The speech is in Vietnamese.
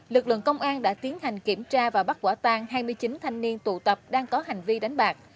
lực lượng công an đã tiến hành kiểm tra và bắt quả tan hai mươi chín thanh niên tụ tập đang có hành vi đánh bạc